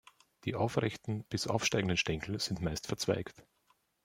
Die aufrechten bis aufsteigenden Stängel sind meist verzweigt.